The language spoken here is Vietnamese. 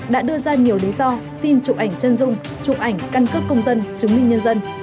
đã đưa ra nhiều lý do xin chụp ảnh chân dung chụp ảnh căn cước công dân chứng minh nhân dân